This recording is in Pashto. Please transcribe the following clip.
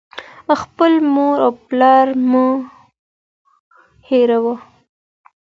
• خپل مور و پلار مه هېروه.